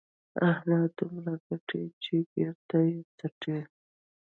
احمد دومره ګټي چې بېرته یې څټي.